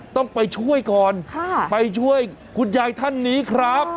ต้องไปช่วยก่อนไปช่วยคุณยายท่านนี้ครับ